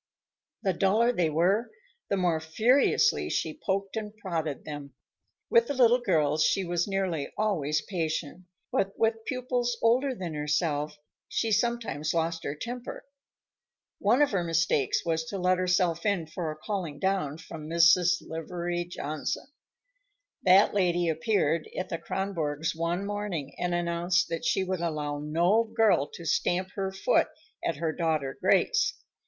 The duller they were, the more furiously she poked and prodded them. With the little girls she was nearly always patient, but with pupils older than herself, she sometimes lost her temper. One of her mistakes was to let herself in for a calling down from Mrs. Livery Johnson. That lady appeared at the Kronborgs' one morning and announced that she would allow no girl to stamp her foot at her daughter Grace.